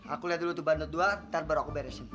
aku lihat dulu tuh bandut dua ntar baru aku beresin